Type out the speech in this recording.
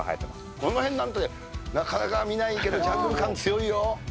この辺なんて、なかなか見ないけど、ジャングル感強いよ。